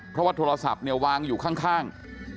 เพราะว่าโทรศัพท์เนี่ยวางอยู่ข้าง